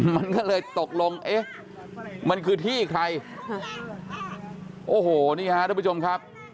มันก็เลยตกลงเอ๊ะมันคือที่ใครโอ้โหนี่ฮะทุกผู้ชมครับ